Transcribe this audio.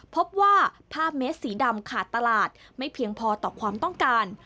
พบว่าผ้าเมสสีดำขาดตลาดไม่เพียงพอต่อความต้องการ